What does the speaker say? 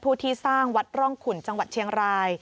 ที่สร้างวัดร่องขุนจังหวัดเชียงราย